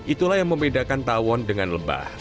itulah yang membedakan tawon dengan lebah